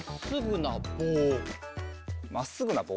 まっすぐなぼう。